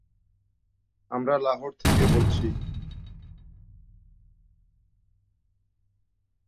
আমরা লাহোর থেকে বলছি।